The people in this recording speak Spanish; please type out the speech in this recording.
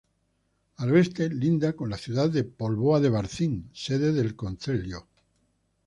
Al oeste linda con la ciudad de Póvoa de Varzim, sede del "concelho".